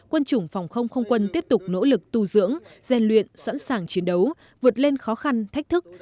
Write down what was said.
quân chủng phòng không không quân tiếp tục nỗ lực tu dưỡng gian luyện sẵn sàng chiến đấu vượt lên khó khăn thách thức